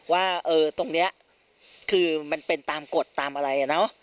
ว่าตรงนี้คือมันเป็นตามกฎตามอะไร